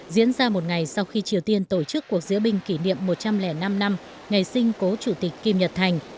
diễn ra một ngày sau khi triều tiên tổ chức cuộc diễu binh kỷ niệm một trăm linh năm năm ngày sinh cố chủ tịch kim nhật thành